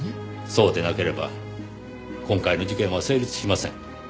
そうでなければ今回の事件は成立しません。